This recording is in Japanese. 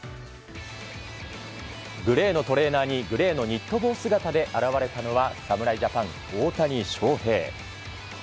グレーのトレーナーにグレーのニット帽姿で現れたのは侍ジャパン、大谷翔平。